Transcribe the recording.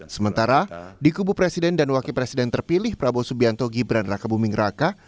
sementara di kubu presiden dan wakil presiden terpilih prabowo subianto gibran raka buming raka